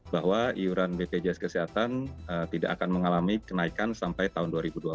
bahwa iuran bpjs kesehatan tidak akan mengalami kenaikan sampai tahun dua ribu dua puluh